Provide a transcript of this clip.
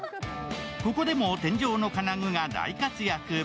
ここでも天井の金具が大活躍。